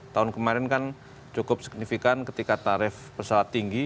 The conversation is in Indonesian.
tahun kemarin kan cukup signifikan ketika tarif pesawat tinggi